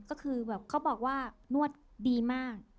ก็คือแบบเขาบอกว่านวดดีมาก